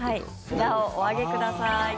札をお上げください。